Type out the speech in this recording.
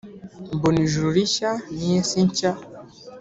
Mbona ijuru rishya n’isi nshya,